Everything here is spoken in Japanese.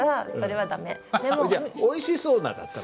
じゃあ「おいしそうな」だったら？